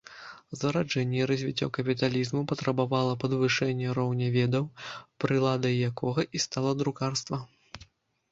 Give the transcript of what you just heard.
Зараджэнне і развіццё капіталізму патрабавала падвышэння роўня ведаў, прыладай якога і стала друкарства.